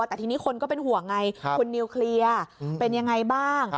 แต่ทีนี้คนก็เป็นห่วงไงคุณนิวเคลียร์เป็นยังไงบ้าง